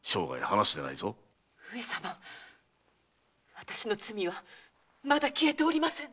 私の罪はまだ消えておりません。